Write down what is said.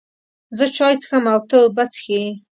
زه چای څښم او ته اوبه څښې